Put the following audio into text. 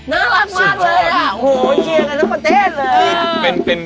น่ารักมากเลยล่ะโอ้โหเชียร์กันแล้วมาเต้นเลย